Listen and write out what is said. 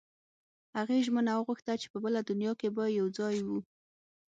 هغې ژمنه وغوښته چې په بله دنیا کې به یو ځای وو